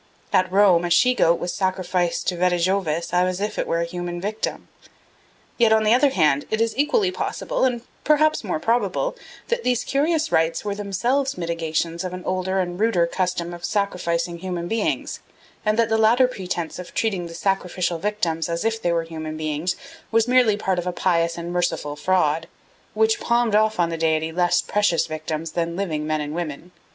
At Rome a shegoat was sacrificed to Vedijovis as if it were a human victim. Yet on the other hand it is equally possible, and perhaps more probable, that these curious rites were themselves mitigations of an older and ruder custom of sacrificing human beings, and that the later pretence of treating the sacrificial victims as if they were human beings was merely part of a pious and merciful fraud, which palmed off on the deity less precious victims than living men and women.